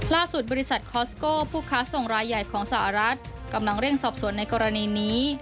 บริษัทคอสโก้ผู้ค้าส่งรายใหญ่ของสหรัฐกำลังเร่งสอบสวนในกรณีนี้